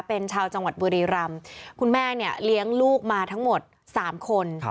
เป็นชาวจังหวัดบุรีรำคุณแม่เนี่ยเลี้ยงลูกมาทั้งหมด๓คน